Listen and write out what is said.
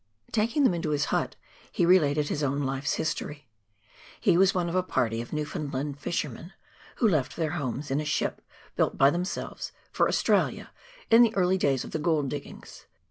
Taking them into his hut he related his own life's history. He was one of a party of Newfoundland fishermen, who left their homes, in a ship built by themselves, for Australia, in the early days of the gold diggings.